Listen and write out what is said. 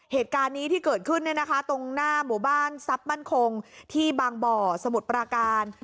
เหตุการณ์นี้ที่เกิดขึ้นเนี่ยนะคะตรงหน้าหมู่บ้านทรัพย์มั่นคงที่บางบ่อสมุทรปราการ